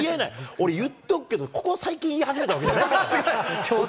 俺、言っとくけど、ここ最近、言い始めたわけじゃないからね。